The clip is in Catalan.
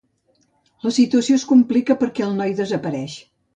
La situació es complica perquè el noi desapareix.